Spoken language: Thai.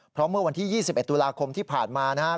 เพราะเมื่อวันที่๒๑ตุลาคมที่ผ่านมานะครับ